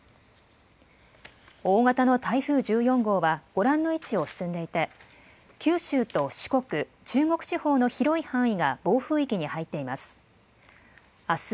大型の台風１４号は、ご覧の位置を進んでいて、九州と四国、中国地方の広い範囲が暴風域に入っています。